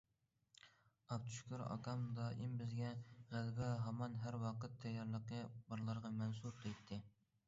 ئابدۇشۈكۈر ئاكام دائىم بىزگە« غەلىبە ھامان ھەر ۋاقىت تەييارلىقى بارلارغا مەنسۇپ»، دەيتتى.